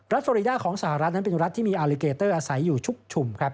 ฟอรีดาของสหรัฐนั้นเป็นรัฐที่มีอาลิเกเตอร์อาศัยอยู่ชุกฉุมครับ